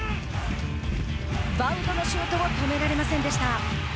ヴァウドのシュートを止められませんでした。